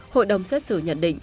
hội đồng xét xử nhận định